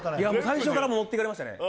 最初から持ってかれましたね